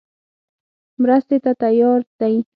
مرستې ته تیار دی.